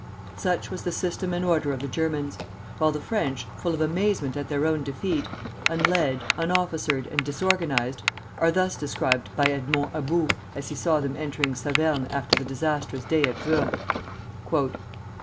Such was the system and order of the Germans; while the French, full of amazement at their own defeat, unled, unofficered, and disorganized, are thus described by Edmond About as he saw them entering Saverne after the disastrous day at Wörth.